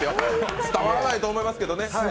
伝わらないと思いますけどね。